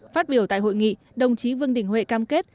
phát biểu tại hội nghị đồng chí vương đình huệ cam kết